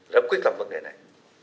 lập quyết tập vấn đề này